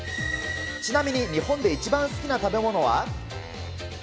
ちなみに日本で一番好きな食べ物は。